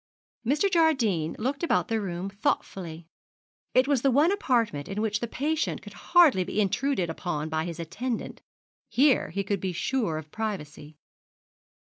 Mr. Jardine looked about the room thoughtfully. It was the one apartment in which the patient could hardly be intruded upon by his attendant. Here he could be sure of privacy.